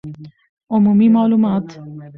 عمومي معلومات